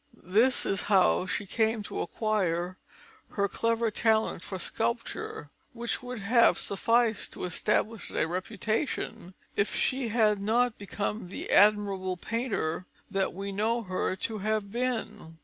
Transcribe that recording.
This is how she came to acquire her clever talent for sculpture which would have sufficed to establish a reputation if she had not become the admirable painter that we know her to have been.